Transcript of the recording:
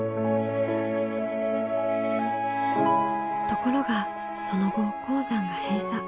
ところがその後鉱山が閉鎖。